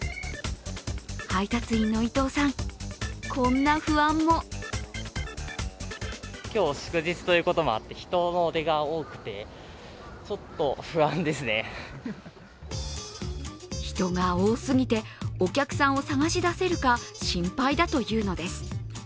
配達員の伊藤さん、こんな不安も人が多すぎて、お客さんを探し出せるか心配だというのです。